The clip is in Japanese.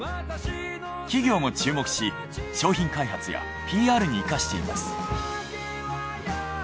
企業も注目し商品開発やＰＲに活かしています。